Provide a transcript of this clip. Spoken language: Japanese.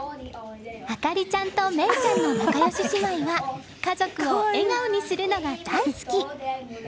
あかりちゃんとめいちゃんの仲良し姉妹は家族を笑顔にするのが大好き。